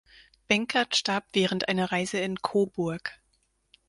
Benkert starb während einer Reise in Coburg.